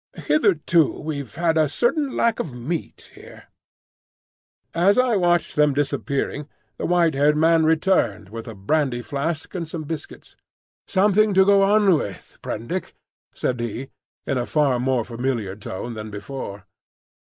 Hitherto we've had a certain lack of meat here." As I watched them disappearing, the white haired man returned with a brandy flask and some biscuits. "Something to go on with, Prendick," said he, in a far more familiar tone than before.